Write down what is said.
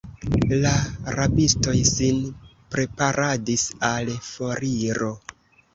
La rabistoj sin preparadis al foriro.